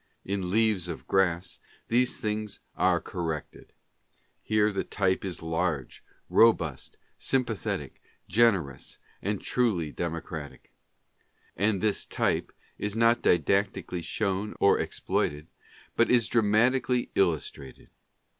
In "Leaves of Grass" these things are corrected. Here the type is large, robust, sympathetic, generous, and truly democratic. And this type is not didacti cally shown or exploited, but is dramatically illustrated.